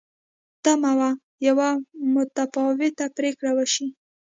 تمه وه یوه متفاوته پرېکړه وشي.